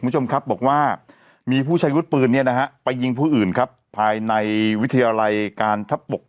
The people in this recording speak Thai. คุณผู้ชมครับบอกว่ามีผู้ใช้วุฒิปืนเนี่ยนะฮะไปยิงผู้อื่นครับภายในวิทยาลัยการทับบก